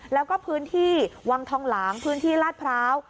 แล้วก็พื้นที่วังทองหลางพื้นที่ลาดพร้าว